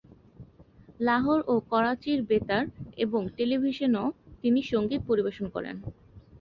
লাহোর ও করাচির বেতার এবং টেলিভিশনেও তিনি সঙ্গীত পরিবেশন করেন।